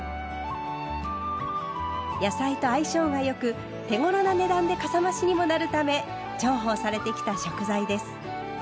野菜と相性が良く手ごろな値段でかさ増しにもなるため重宝されてきた食材です。